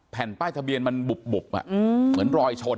แผ่นป้ายทะเบียนมันบุบเหมือนรอยชน